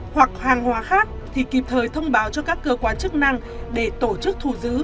hoặc hàng hóa khác thì kịp thời thông báo cho các cơ quan chức năng để tổ chức thù giữ